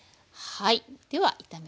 はい。